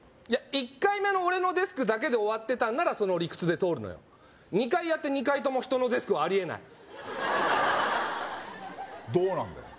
１回目の俺のデスクだけで終わってたんならその理屈で通るのよ２回やって２回とも人のデスクはありえないどうなんだよ